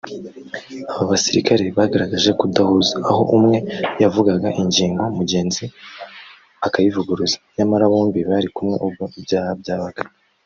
Aba basirikare bagaragaje kudahuza aho umwe yavugaga ingingo mugenzi akayivuguruza nyamara bombi bari kumwe ubwo ibyaha byabaga